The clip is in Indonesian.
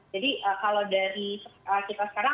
jadi kalau dari kita sekarang